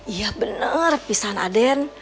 iya bener pisah nadir